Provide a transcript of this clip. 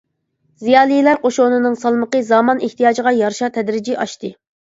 زىيالىيلار قوشۇنىنىڭ سالمىقى زامان ئېھتىياجىغا يارىشا تەدرىجىي ئاشتى.